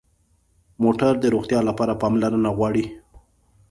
موټر د روغتیا لپاره پاملرنه غواړي.